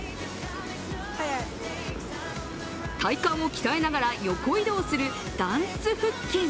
体幹を鍛えながら横移動するダンス腹筋。